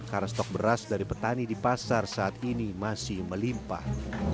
karena stok beras dari petani di pasar saat ini masih melimpah